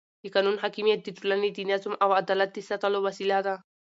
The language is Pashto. د قانون حاکمیت د ټولنې د نظم او عدالت د ساتلو وسیله ده